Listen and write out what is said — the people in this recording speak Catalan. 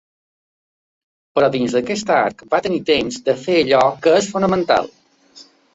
Però dins d’aquest arc va tenir temps de fer allò que és fonamental.